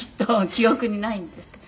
記憶にないんですけど」